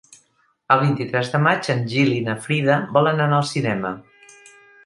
El vint-i-tres de maig en Gil i na Frida volen anar al cinema.